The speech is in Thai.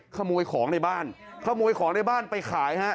ขโมยของในบ้านขโมยของในบ้านไปขายฮะ